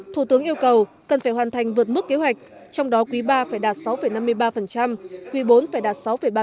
thủ tướng yêu cầu cần phải hoàn thành vượt mức kế hoạch trong đó quý ba phải đạt sáu năm mươi ba quý bốn phải đạt sáu ba